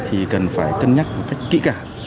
thì cần phải cân nhắc kỹ cả